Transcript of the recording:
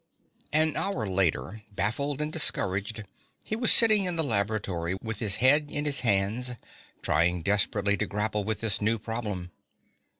An hour later, baffled and discouraged, he was sitting in the laboratory with his head in his hands, trying desperately to grapple with this new problem.